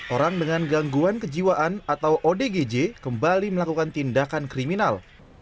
orang dengan gangguan kejiwaan atau odgj kembali melakukan tindakan kriminal